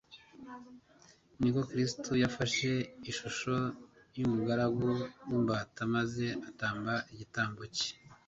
niko Kristo yafashe ishusho y'umugaragu w'imbata maze atamba igitambo cye,